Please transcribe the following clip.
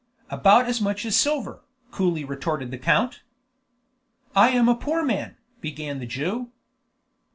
"About as much as silver," coolly retorted the count. "I am a poor man," began the Jew.